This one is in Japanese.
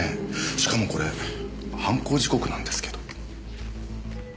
しかもこれ犯行時刻なんですけど。